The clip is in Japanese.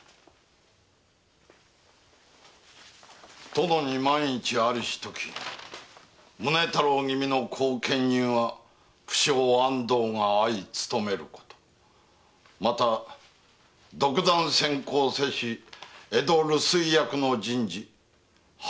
「殿に万一ありしとき宗太郎君の後見人は不肖安藤が相務めること」また「独断専行せし江戸留守居役の人事は白紙に戻すこと」